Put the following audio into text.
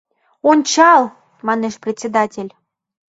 Ончал! — манеш председатель.